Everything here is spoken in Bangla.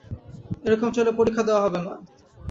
এরকম চললে পরীক্ষা দেয়া হবে না।